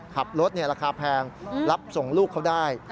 ขับรถราคาแพงรับส่งลูกเขาได้